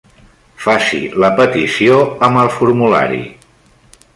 Faci la petició amb el formulari.